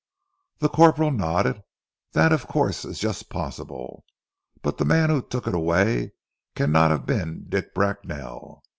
The corporal nodded. "That of course is just possible, but the man who took it away cannot have been Dick Bracknell.